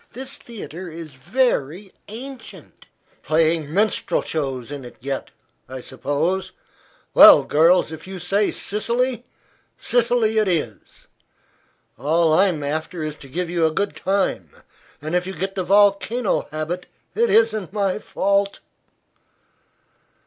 This theatre is very ancient." "Playing minstrel shows in it yet, I suppose. Well, girls, if you say Sicily, Sicily it is. All I'm after is to give you a good time, and if you get the volcano habit it isn't my fault."